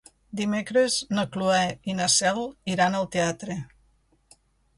Dimecres na Cloè i na Cel iran al teatre.